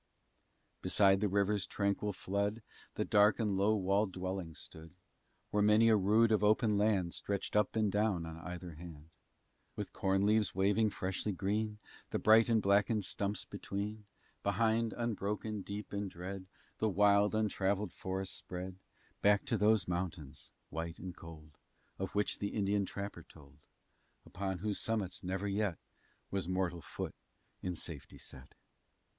Beside the river's tranquil flood The dark and low walled dwellings stood, Where many a rood of open land Stretched up and down on either hand, With corn leaves waving freshly green The thick and blackened stumps between Behind, unbroken, deep and dread, The wild, untravelled forest spread, Back to those mountains, white and cold, Of which the Indian trapper told, Upon whose summits never yet Was mortal foot in safety set.